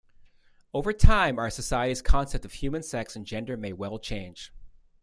Over time, our society's concept of human sex and gender may well change.